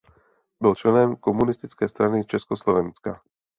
Byl členem Komunistické strany Československa.